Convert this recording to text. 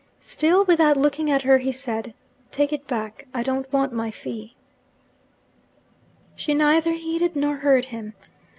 Still without looking at her, he said, 'Take it back; I don't want my fee.' She neither heeded nor heard him.